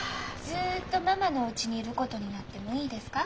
ずっとママのおうちにいることになってもいいですか？